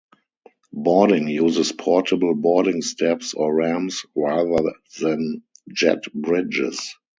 Boarding uses portable boarding steps or ramps rather than jet bridges.